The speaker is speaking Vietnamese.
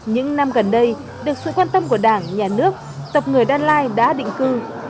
những năm gần đây được sự quan tâm của đảng nhà nước tập người đan lai đã định cư